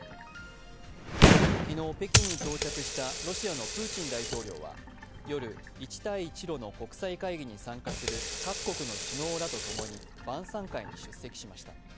昨日、北京に到着したロシアのプーチン大統領は夜、一帯一路の国際会議に参加する各国の首脳らとともに晩さん会に出席しました。